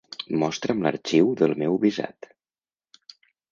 Mostra'm l'arxiu del meu visat.